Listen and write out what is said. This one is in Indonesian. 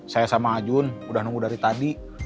saya sama ajun udah nunggu dari tadi